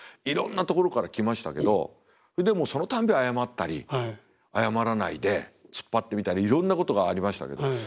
いろんなところから来ましたけどでもそのたんび謝ったり謝らないで突っ張ってみたりいろんなことがありましたけど